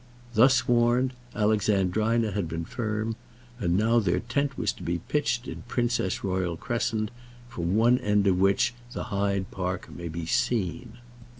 Thus warned, Alexandrina had been firm, and now their tent was to be pitched in Princess Royal Crescent, from one end of which the Hyde Park may be seen.